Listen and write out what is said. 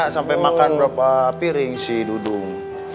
sampai makan berapa piring si dudung